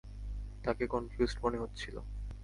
তাকে কনফিউজড মনে হচ্ছিল।